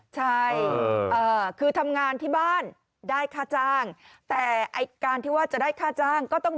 ใช่คือทำงานที่บ้านได้ค่าจ้างแต่ไอ้การที่ว่าจะได้ค่าจ้างก็ต้อง